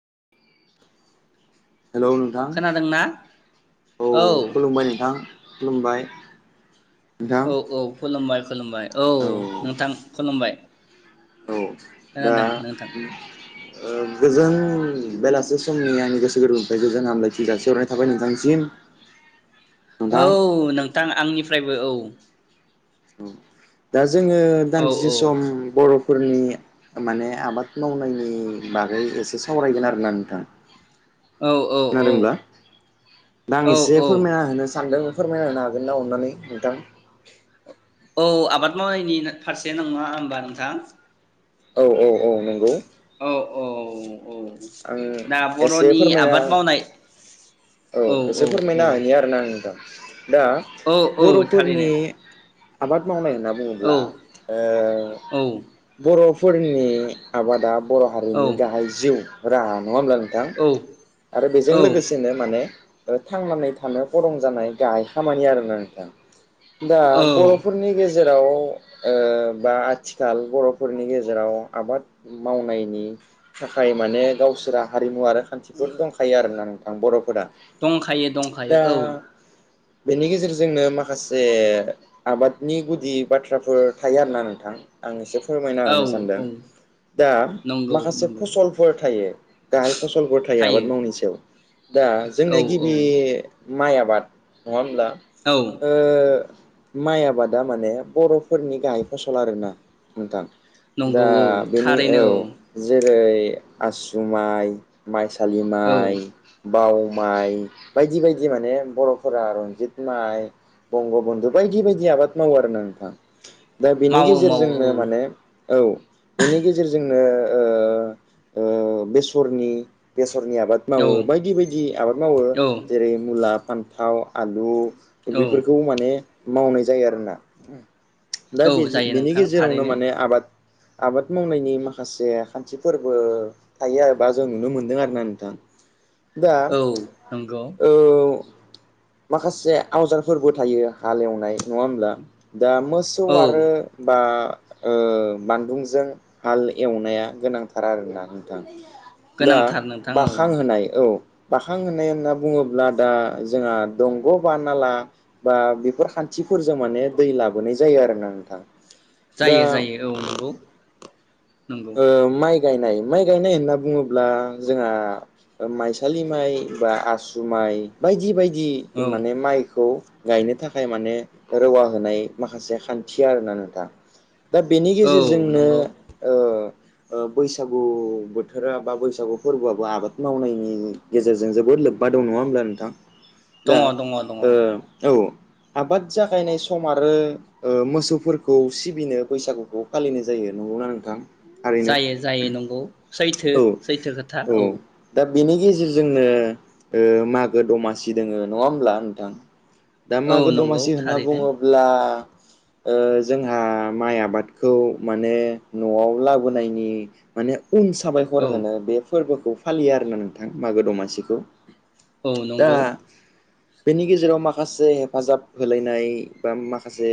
[inaudible] Hello नोंथां खोनादोंना औ खुलुमबाय नोंथां। खुलुमबाय। नोंथां औ औ खुलुमबाय। खुलुमबाय औ नोंथां खुलुमबाय। औ दा खोनादों नोंथां उम ओ गोजोन बेलासे समनि आंनि गोसो गोरबोनिफ्राय गोजोन हामलायथि जासिहरनाय थाबाय नोंथांसिम। नोंथां औ नोंथां आंनिफ फ्रायबो औ औ दा जो जोङो औ दान्दिसे औ सम बर'फोरनि माने आबाद मावनायनि बागै एसे सावरायगोन आरोना नोंथां। औ औ औ खोनादोंब्ला दा आं औ एसे औ फोरमायना होनो सानदों। फोरमायना होनो हागोन ना अननानै नोंथां? औ आबाद मावनायनि नो‌ फारसे नङा होमबा नोंथां? औ औ औ नंगौ। औ औ औ आं दा एसे बर'नि आबाद फोरमायना मावनाय औ एसे फोरमायना होनि आरोना आं नोंथां। दा औ औ थारैनो बर'फोरनि आबाद मावनाय होनना औ बुङोब्ला। ओ औ बर' फोरनि आबादा बर' औ हारिनि गाहाय जिउ राहा नङा होमब्ला नोंथां? औ आरो बेजों औ लोगोसेनो ए ओ थांनानै थानो गरं जानाय गाहाय खामानि आरोना नोंथां। दा औ बर'फोरनि गेजेर राव ओ बा आथिखाल बर'फोरनि गेजेराव आबाद मावनायनि थाखाय माने गावसोरा हारिमु आरो खान्थिफोर दंखायो आरोना नों आं बर'फ दंखायो दंखायो औ। बेनि गेजेरजोंनो माखासे आबादनि गुदि बाथ्राफोर थायो आरोना नोंथां। आं एसे फोरमायना होनो औ सानदों। औ दा नंगौ माखासे नंगौ फसलफोर थायो गाहाय फसलफोर थायो आबाद मावनायनि सायाव। दा औ जोंनिया औ गिबि माइ आबाद नङा होमब्ला? औ ओ माइ आबादा माने बर'फोरनि गाहाय फसल आरोना नोंथां। नंगौ दा औ बेनि थारैनो औ जे जै आसु माइ माइसा औ थालिमाइ बाव माइ बायदि बायदि माने बरफोरा रन्जित माइ बंग बन्धु बायदि बायदि आबाद मावो आरोना नोंथां दा बेनि मावो मावो औ गेजेरजोंनो माने औ बेनि गेजेरजोंनो ओ ओ बेसरनि बे- सरनि आबाद औ मावो बायदि बायदि आबाद मावो औ जेरै मुला फानथाव आलु औ बेफोरखौ माने मावनाय जायो आरोना दा औ बेजे जायो बेनि नोंथां गेजेरावनो थारैनो माने आबाद आबाद मावनायनि माखासे खान्थिफोरबो थायो आरोबा जों नुनो मोनदों आरो ना नोंथां दा औ नंगौ ओ माखासे आवजारफोरबो थायो हालेवनाय नंङा होमब्ला दा मोसौ औ आरो बा ओ बानदुंजों हाल एवनाया गोनांथार आरोना नोंथां दा गोनांथार नोंथां औ बाखांहोनाय औ बाखां होननाय होनना बुंङोब्ला दा जोंहा दंग बा नाला बा बेफोर खान्थिफोरजों माने दै लाबोनाय जायो आरोना नोंथां दा जायो जायो औव नंगौ ओ माइ गायनाय माइ गायनाय होनना बुंङोब्ला जोंहा माइसालि माइ बा आसु माइ बायदि बायदि जि औ माने माइखौ गायनो थाखाय माने रौवा होनाय माखासे खान्थि आरोना नोंथां दा बेनि औ गेजेरजोंनो नंगौ ओ बैसागु बोथोरा बा बैसागु फोरबोआबो आबाद मावनायनि गेजेरजों जोबोद लोब्बा दं नंङा होमब्ला नोंथां दङ दा दङ दङ दङ ओ औ आबाद जागायनाय सम आरो ऐ मोसौफोरखौ सिबिनो बैसागुखौ फालिनाय जायो नंगौना नों- थां जायो जायो नंगौ सैथो औ सैथो खोथा औ दा बेनि गेजेरजोंनो ओ मागो दमासि दोंङो नंङा होमब्ला नोंथां दा औ मागो नंगौ दमासि होनना थारैनो बुंङोब्ला ओ जोंहा माइ आबादखौ माने नआव लाबोनायनि माने उन साबायखर औ होनो बे फोरबो खौ फालियो आरोना नोंथां मागो दमासिखौ। औ दा नंगौ। बेनि गेजेराव माखासे हेफाजाब होलायनाय बा माखासे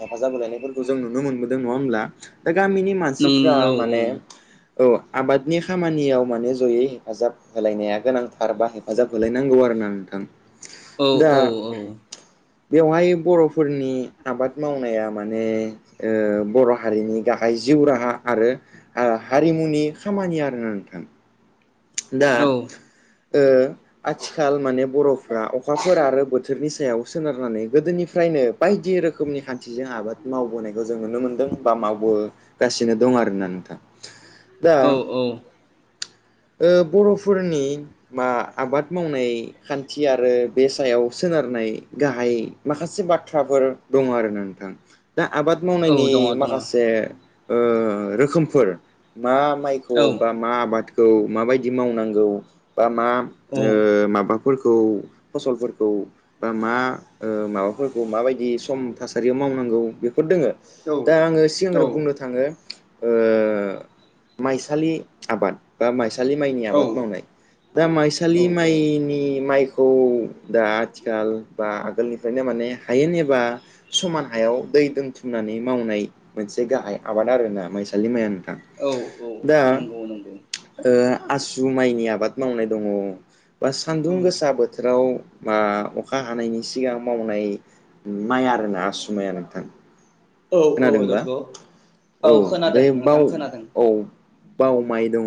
हेफाजाब होलायनायफोरखौ जों नुनो मोनबोदों नङा होमब्ला गामिनि नों मानसिफ्रा औ माने औ आबादनि खामानियाव माने जयै हेफाजाब होलायनाया गोनांथार बा हेफाजाब होलायनांगौ आरो ना नोंथां। औ दा औ औ बेवहाय बर'फोरनि आबाद मावनाया माने ओ बर' हारिनि गाहाय जिउ राहा आरो ओ हारिमुनि खामानि आरोना नोंथां दा औ ओ आथिखाल माने बर'फ्रा अखाफोर आरो बोथोरनि सायाव सोनारनानै गोदोनिफ्रायनो बायदि रोखोमनि खान्थिजों आबाद मावबोनाय जों नुनो मोन्दों बा मावो गासिनो दं आरोना नोंथां। दा औ औ ओ बर'फोरनि मा आबाद मावनाय खान्थि आरो बे सायाव सोनारनाय गाहाय माखासे बाथ्राफोर दङ आरो ना नोंथां दा आबाद औ मावनायनि दङ दङ औ माखासे ओ रोखोमफोर मा माइखौ औ बा मा आबाद औ माबायदि मावनांगौ बा मा औ ओ माबा फोरखौ फसलफोरखौ बा मा ओ माबाफोरखौ माबायदि सम थासारियाव मावनांगौ बे फोर दोङो दा आङो सिगांग्रो बुंनो थाङो ओ माइसालि आबाद बा माइ सालि माइनि औ आबाद मावनाय दा माइसालि औ माइनि माइ खौ दा आथिखाल बा आगोलनिफ्रायनो माने हायेन एबा समान हायाव दै दोनथुमनानै मावनाय मोनसे गाहाय आबाद आरोना माइसालि माइया औ औ दा नंगौ नंगौ। ओ आसु माइनि आबाद मावनाय दङ। बा औ सान्दुं गोसा बोथोराव बा अखा हानायनि सिगां मावनाय नाय उम माइ आरोना आसु माया नोंथां। औ औ खोनादोंब्ला नंगौ औ बे खोनादों बाव नोंथां खोनादों। औ बाव माइ दङ।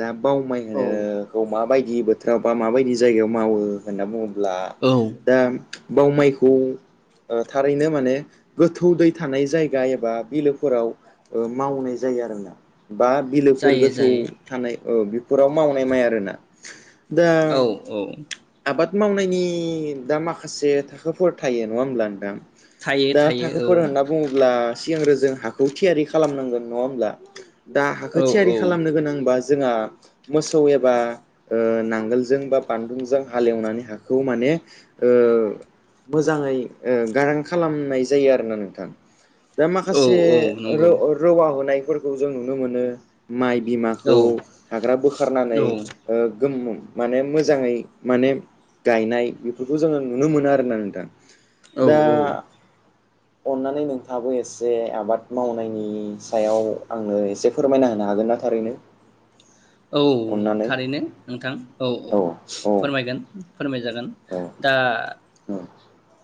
दा बाव माय औ होनोखौ मा बाय नि बोथोराव बा माबायदि जायगायाव मावो होन्ना बुङो ब्ला औ दा बाव माइखौ ओ थारैनो माने गोथौ दै थानाय जायगा एबा बिलोफोराव ओ मावनाय जायो आरोना बा बिलोफोर जायो गोथौ जायो औ बिफोराव मावनाय माइ आरोना दा औ औ आबाद मावनायनि दा माखासे थाखोफोर थायो नङा होमब्ला नोंथां? थायो दा थायो औ थाखोफोर होनना बुङोब्ला सिगांग्रो जों हाखौ थियारि खालामनांगोन नङा होमब्ला? दा औ हाखो थियारि खालामनो गोनांबा जोंहा मोसौ एबा ओ नांगोलजों बा बानदुंजों हालेवनानै हाखौ माने ओ मोजाङै ओ गारां खालामनाय जायो आरोना नोंथां दा औ माखासे औ नंगौ रो-रौवा होनाय फोरखौ जों नुनो मोनो माइ औ खौ हाग्रा औ बोखारनानै ओ गोमो माने मोजाङै माने गायनाय बेफोरखौ जोङो नुनो मोनो आरोना नोंथां औ दा अननानै नोंथांआबो एसे आबाद मावनायनि सायाव आंनो एसे फोरमायना होनो हागोनना थारैनो? औ अननानै थारैनो नोंथां औ-औ औ औ फोरमायगोन फोरमाय जागोन औ दा औ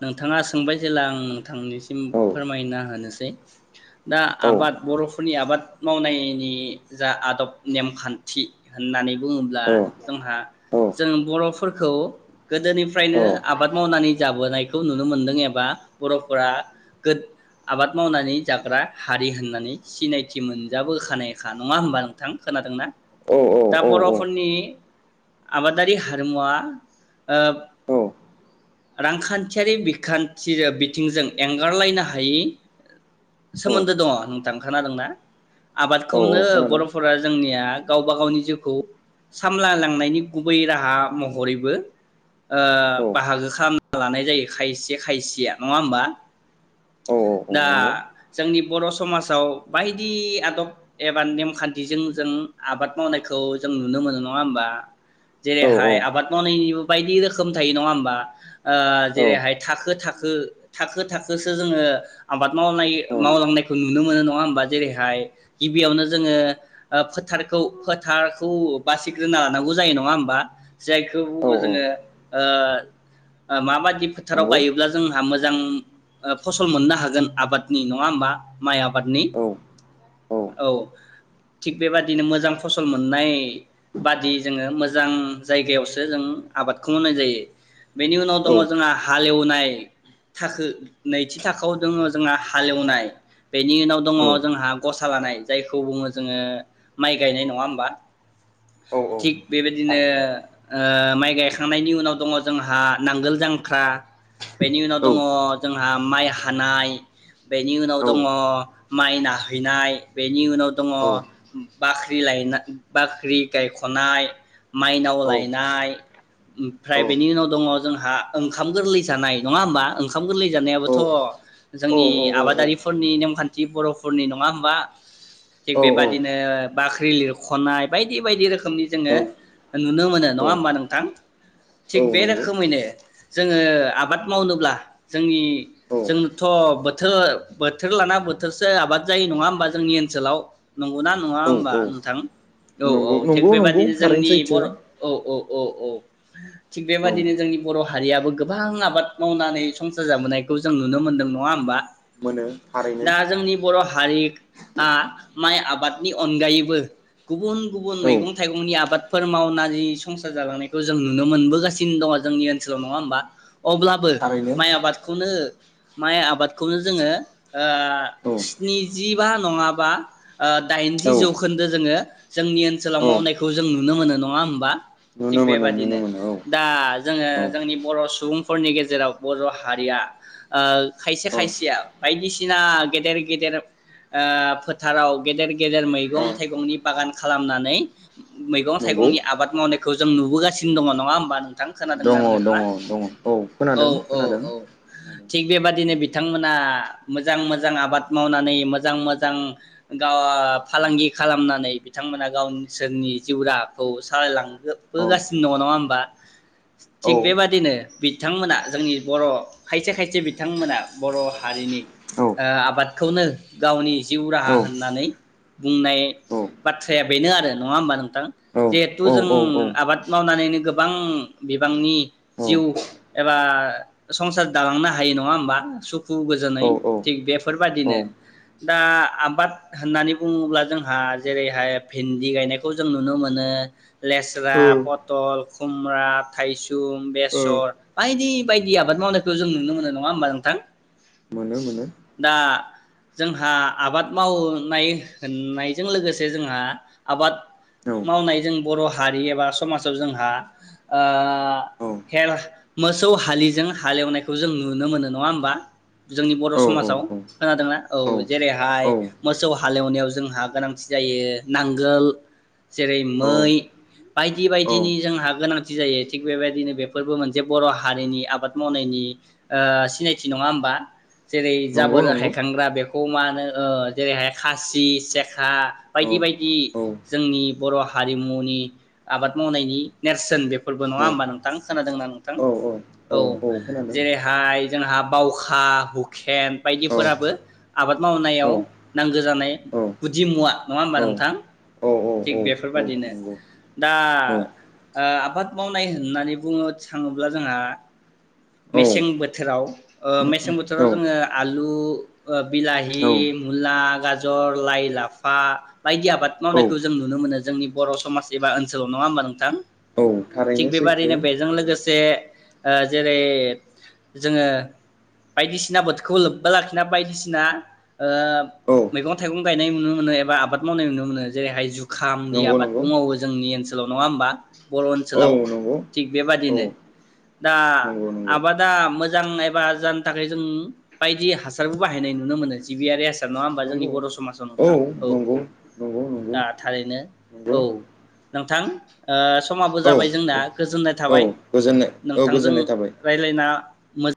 नोंथाङा सोंबाय जेला आं थांनिसिम औ फोरमायना होनोसै [inaudible] दा औ आबाद बर'फोरनि आबाद मावनायनि जा आदब नेमखान्थि होननानै बुङोब्ला औ जोंहा औ जों बर' फोरखौ गोदोनिफ्रायनो औ औ आबाद मावनानै जाबोनाय खौ नुनो मोन्दों एबा बर'फोरा गोद आबाद मावनानै जाग्रा हारि होननानै सिनायथि मोनजाबोखानायखा नङा होनोमबा नोंथां खोनादोंना? औ दा बर'फोरनि आबादारि हारिमुवा ओ औ रांखा खानथियारि बिखान्थि बिथिंजों एंगारलायनो हायि औ सोमोन्दो दङ नोंथां खोनादोंना? औ आबादखौनो खोनादों बर'फोरा जोंनिया गावबा गावनि जिउखौ सामलायलांनायनि गुबै राहा महरैबो ओ औ बाहागो खालामना लानाय जायो। खायसे खायसेया नङा होम्बा? औ औ दा नंगौ जोंनि बर' समाजाव बायदि आदब एबा नेमखान्थिजों जों आबाद मावनायखौ जों नुनो मोनो नङा होमबा? औ जेरैहाय आबाद मावनायनिबो बायदि रोखोम थायो नङा होमबा? ओ औ जेरैहाय थाखो थाखो थाखो थाखोसो जोङो आबाद मावनाय औ मावलांनायखौ नुनो मोनो नङा होमबा जेरैहाय गिबियावनो जोङो ओ फोथारखौ फोथारखौ बासिग्रोना लानांगौ जायो नङा होमबा? जायखौ औ बुङो औ जोङो ओ माबादि फोथाराव नंगौ गायोब्ला जोंहा मोजां ओ फसल मोननो हागोन आबादनि नङा होमबा? माइ आबादनि औ औ थिग बेबादिनो मोजां फसल मोननाय बादि जोङो मोजां जायगायावसो जों आबादखौ मावनाय जायो। बेनि उनाव दङ जोंङा हालेवनाय थाखो नैथि थाखोआव दङ जोंहा हालेवनाय बेनि उनाव दङ औ जोंहा गसा लानाय जायखौ बुङो जोङो माइ गायनाय नङा होमबा? औ औ थिग बेबायदिनो थारैनो ओ माइ गायखांनायनि उनाव दङ जोंहा नांगोल जांख्रा बेनि उनाव औ दङ जोंहा माइ हानाय बेनि उनाव औ दङ माइ नाहैनाय बेनि उनाव दङ बाख्रि लायना बाख्रि गायख'नाय माइनाव लायनाय ओमफ्राय औ बेनि उनाव दङ जोंहा ओंखाम गोरलै जानाय नङा होमबा ओंखाम गोरलै जानायाबोथ' औ जोंनि औ औ आबादारिफोरनि नेमखान्थि बर'फोरनि नङा हमबा थिग औ औ बेबाददिनो बाख्रि लिरख'नाय बायदि बायदि रोखोमनि जोङो औ नुनो मोनो औ नङा होमबा नोंथां औ थिग बे नंगौ रोखोमैनो, जोङो आबाद मावनोब्ला जोंनि औ जोंनोथ' बोथोर बोथोर लाना बोथोरसो आबाद जायो नङा होमबा जोंनि ओनसोलाव नंगौना? नङा औ हमबा नोंथां औ औ नंगौ थिक नंगौ नंगौ बेबाददिनो थारैनो जोंनि सैथो बर' औ औ औ औ [inaudible] थिग औ बेबायदिनो जोंनि बर' माहारियाबो गोबां आबाद मावनानै संसार जाबोनायखौ जों नुनो मोन्दों नङा होमबा, मोनो थारैनो दा जोंनि बर' हारि आ माइ आबादनि अनगायैबो, गुबुन गुबुन औ मैगं थाइगंनि आबाद, फोर मावना‌जि संसार जालांनायखौ जों नुनो मोनबोगासिनो दङ जोंनि ओन सोलाव नङा होमबा, अब्लाबो थारैनो माइ आबादखौनो, माइ आबादखौनो जोङो ओ औ स्निजिबा नङाबा, ओ दाइनजि औ जौखोन्दो जोङो, जोंनि ओनसोलाव औ मावनायखौ जों नुनो मोनो नङा होमबा, थिग नुनो मोनो नुनो बेबादिनो मोनो औ दा, औ जोङो जोंनि बर' सुबुंफोरनि गेजेराव बर' हारिया ओ खायसे औ खायसेया बायदिसिना गेदेर गेदेर ओ फोथाराव गेदेर गेदेर औ मैगं थाइगंनि बागान खालामनानै मैगं नंगौ थाइगंनि आबाद मावनायखौ जों नुबोगासिनो दङ नङा होमबा खोनादों ना दङ नोंथां दङ नोंथाङा औ औ खोनादों औ खोनादों, औ थिग औ बेबादिनो बिथांमोना मोजां मोजां आबाद मावनानै मोजां मोजां गाव फालांगि खालामनानै बिथांमोना गावनिसोरनि जिउ राहाखौ औ सालायलांबोगासिनो दङ नङा हमबा, औ थिग बेबादिनो बिथांमोना जोंनि बर' खायसे खायसे बिथांमोना बर' हारिनि ओ आबादखौनो गावनि जिउ औ राहा होननानै बुंनाय बाथ्राया बेनो आरो नङा होमबा नोंथां औ जिहेथु औ जों आबाद मावनानैनो गोबां बिबांनि जिउ एबा संसार दालांनो हायो नङा होमबा सुखु औ गोजोनै थिग औ बेफोरबादिनो दा आबाद होननानै बुङोब्ला जोंहा जेरैहाय भिन्दि गायनायखौ जों नुनो मोनो, लेस्रा पटल, खुमब्रा थायसुम औ बेसर बायदि बायदि आबाद मावनायखौ जों नुनो मोनो नङा होमबा नोंथां मोनो मोनो दा जोंहा आबाद मावनाय होननायजों लोगोसे जोंहा आबाद औ मावनाय जों बर' हारि एबा समाजाव जोंहा, ओ औ हेल मोसौ हालिजों हालेवनायखौ जों नुनो मोनो नङा होमबा जोंनि बर' औ समाजाव खोनादोंना औ जेरैहाय औ मोसौ हालेवनायाव जोंहा गोनांथि जायो नांगोल जेरै औ मै बायदि औ बायदिनि जोंहा गोनां थि जायो थिग बेबायदिनो बेफोरबो मोनसे बर' हारिनि आबाद मावनायनि ओ सिनायथि नङा होमबा, जेरै नंगौ जाबोरो नंगौ हायखांग्रा बेफ खौ मा होनो ओ जेरैहाय खासि सेखा औ बायदि बायदि औ जोंनि बर' हारिमुनि आबाद मावनायनि नेरसोन बे फोरबो औ नङा होमबा नोंथां खोनादोंना नोंथां औ औ जेरैहाय जोंहा बावखा हुखेन औ बायदिफोराबो आबाद औ मावनायाव नांगौ जानाय औ गुदि मुवा नङा होमबा नोंथां औ नंगौ औ थिग बेफोरबादिनो दा ओ आबाद मावनाय होननानै बुंनो थिखाङोब्ला जोंहा मेसें बोथोराव ओ मेसें बोथोराव जोङो आलु बिलाहि औ मुला गाजर लाइ लाफा, बायदि आबाद औ मावनायखौ जों नुनो मोनो, जोंनि बर' समाज एबा ओनसोलाव नङा होमबा नोंथां? थिग थारैनो सैथो बेबादिनो बेजों औ लोगोसे ओ जेरै जोङो बायदिसिना बोथोरखौ लोब्बा लाखिना बायदिसिना ओ औ मैगं थाइगं गायनाय नुनो मोनो एबा आबाद मावनाय नुनो मोनो जेरैहाय जुखामनि नंगौ आबादबो नंगौ मावो जोंनि ओनसोलाव नङा होमबा बर' औ ओनसोलाव। नंगौ थिग औ बेबादिनो दा नंगौ नंगौ आबादा मोजां एबा जानो थाखाय जों बायदि हासारबो बाहायनाय नुनो मोनो जिबियारि हासार नङा होमबा जोंनि नंगौ बर' समाजाव नोंथां औ औ नंगौ नंगौ नंगौ दा थारैनो नंगौ औ नोंथां ओ समाबो औ जाबाय जोंना गोजोन्नाय औ थाबाय गोजोननाय औ नोंथांजों गोजोननाय थाबाय रायलायना [unintelligible]